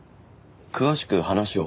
詳しく話を。